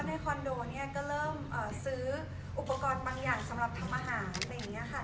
ในคอนโดเริ่มซื้ออุปกรณ์บางแห่งสำหรับทำอาหาร